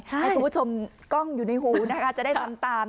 ให้คุณผู้ชมกล้องอยู่ในหูนะคะจะได้ทำตาม